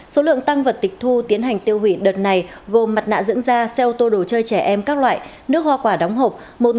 số lượng tăng vật tịch thu tiến hành tiêu hủy đợt này gồm mặt nạ dưỡng da xe ô tô đồ chơi trẻ em các loại nước hoa quả đóng hộp